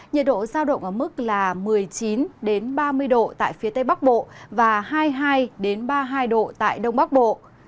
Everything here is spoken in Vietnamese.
nhiệt độ giao động ở mức một mươi chín ba mươi độ tại phía tây bắc bộ và hai mươi hai ba mươi hai độ tại đông bắc bộ